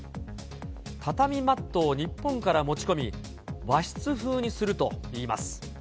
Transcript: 畳マットを日本から持ち込み、和室風にするといいます。